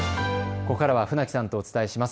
ここからは船木さんとお伝えします。